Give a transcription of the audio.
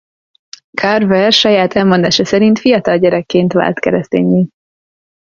Carver saját elmondása szerint fiatal gyerekként vált kereszténnyé.